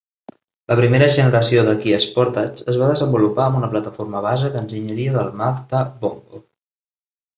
La primera generació de Kia Sportage es va desenvolupar amb una plataforma base d"enginyeria del Mazda Bongo.